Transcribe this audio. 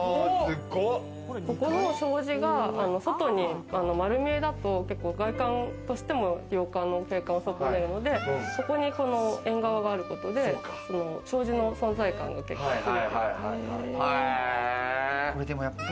ここの障子が外にまる見えだと、外観としても洋館の景観を損ねるので、そこに縁側があることで、障子の存在感が消えて。